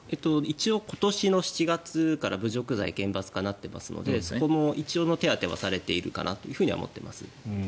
今年の７月から侮辱罪厳罰化となっていますのでそこも手当てはされているかなと思っています。